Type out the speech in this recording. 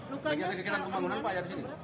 lagi ada kegiatan pembangunan pak ya di sini